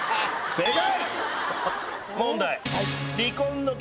正解。